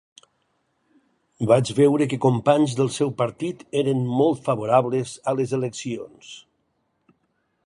Vaig veure que companys del seu partit eren molt favorables a les eleccions.